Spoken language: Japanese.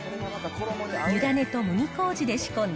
湯種と麦こうじで仕込んだ